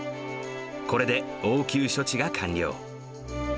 これで応急処置が完了。